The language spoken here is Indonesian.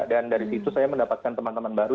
dan dari situ saya mendapatkan teman teman baru